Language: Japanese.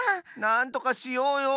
なんとかしようよ。